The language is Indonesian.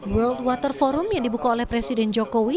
world water forum yang dibuka oleh presiden jokowi